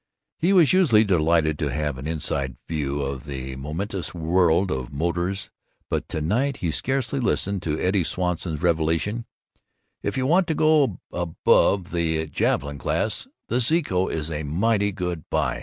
He was usually delighted to have an "inside view" of the momentous world of motors but to night he scarcely listened to Eddie Swanson's revelation: "If you want to go above the Javelin class, the Zeeco is a mighty good buy.